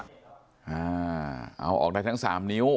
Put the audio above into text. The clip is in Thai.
เอ้าเอาออกได้ทั้ง๓นิ้ว